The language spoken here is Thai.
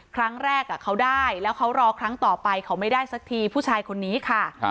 ครั้งแรกเขาได้แล้วเขารอครั้งต่อไปเขาไม่ได้สักทีผู้ชายคนนี้ค่ะ